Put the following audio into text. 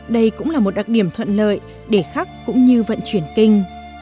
đây cũng là một đặc điểm thuận lợi để khắc cũng như vận chuyển kinh